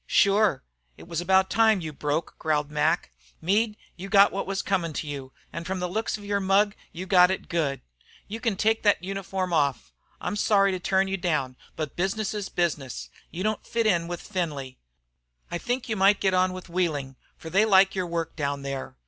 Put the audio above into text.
"Shure, it was about time you broke out," growled Mac. "Meade, you got what was comin' to you, an' from the looks of your mug you got it good. You can take thet uniform off. I'm sorry to turn you down, but business is business. You don't fit in with Findlay. I think you might get on with Wheeling, for they like your work down there.